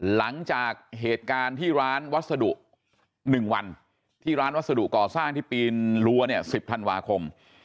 หลังจากเหตุการณ์ที่ร้านวัสดุ๑วันที่ร้านวัสดุก่อสร้างที่ปีนรั้วเนี่ย๑๐ธันวาคม